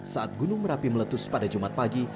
saat gunung merapi meletus pada jumat pagi